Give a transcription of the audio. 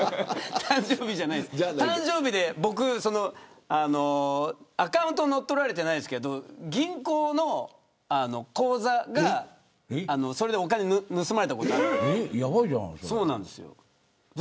誕生日で、アカウントは乗っ取られてないですけど銀行の口座がそれでお金を盗まれたことがあるんで。